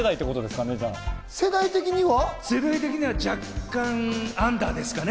世代的には若干アンダーですかね。